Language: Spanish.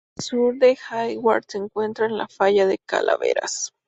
Al sur de Hayward se encuentra la falla de Calaveras.